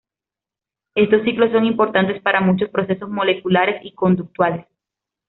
Estos ciclos son importantes para muchos procesos moleculares y conductuales.